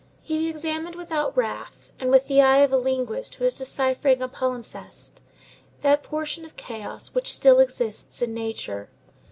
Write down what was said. He examined without wrath, and with the eye of a linguist who is deciphering a palimpsest, that portion of chaos which still exists in nature.